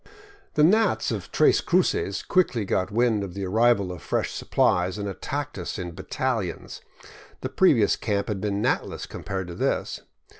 The gnats of Tres Cruces quickly got wind of the arrival of fresh supplies and attacked us in battalions. The previous camp had been gnatless compared to this.